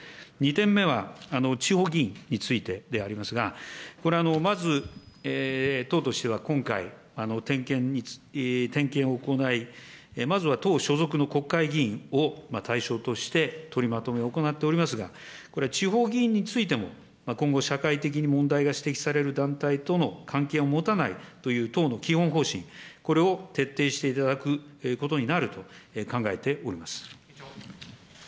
２点目は地方議員についてでありますが、これはまず、党としては今回、点検を行い、まずは党所属の国会議員を対象として取りまとめを行っておりますが、これは地方議員についても、今後、社会的に問題が指摘される団体との関係を持たないという党の基本方針、これを徹底していただくことになると考えております。